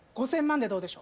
５，０００万。